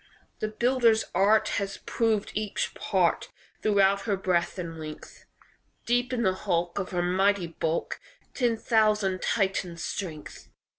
"The builder's art Has proved each part Throughout her breadth and length; Deep in the hulk, Of her mighty bulk, Ten thousand Titans' strength."